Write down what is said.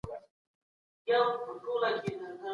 د پروان مرکزي ښار چاریکار دی.